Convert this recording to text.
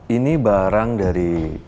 ini barang dari